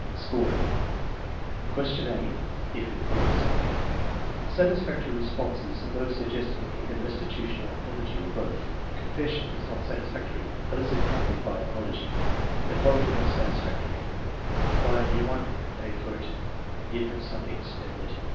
Scoring: Question a (If you haw "broken something) Satisfactory responses are those suggesting either restitution or apology, or both. Confession is not satisfactory unless accom 1 See IV, 5, and VI, 4. 216 THE MEASLTIEMENT OF INTELLIGENCE panied by apology. The following are satisfactory: "Buy a new one." "Pay for it." "Give them something instead of it."